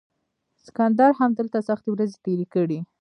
سکندر هم دلته سختې ورځې تیرې کړې